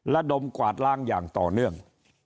ระดมกวาดล้างอย่างต่อเนื่อง